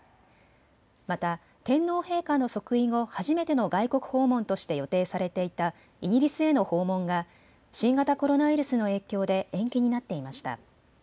また天皇陛下の即位後初めての外国訪問として予定されていたイギリスへの訪問が新型コロナウイルスの影響で延期になっていました。